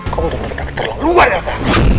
kau udah detehkan keterlaluan luar elsa